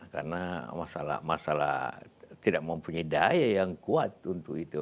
karena masalah tidak mempunyai daya yang kuat untuk itu